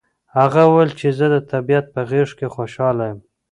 هغه وویل چې زه د طبیعت په غېږ کې خوشحاله یم.